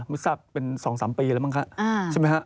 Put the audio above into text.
ไม่ทราบเป็นสองสามปีแล้วมั้งครับใช่ไหมครับ